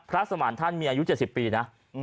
สมานท่านมีอายุ๗๐ปีนะ